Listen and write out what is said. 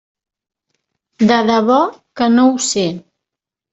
De debò que no ho sé.